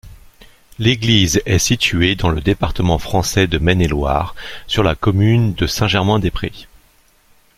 L'église est située dans le département français de Maine-et-Loire, sur la commune de Saint-Germain-des-Prés.